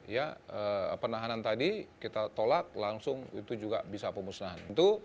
ya penahanan tadi kita tolak langsung itu juga bisa pemusnahan